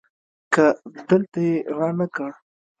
که دلته يي رانه کړ